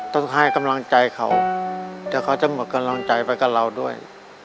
ต้องให้กำลังใจเขาเดี๋ยวเขาจะหมดกำลังใจไปกับเราด้วย